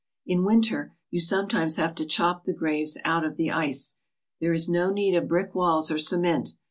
In winter you sometimes have to chop the graves out of the Ice. There is no need of brick walls or cement.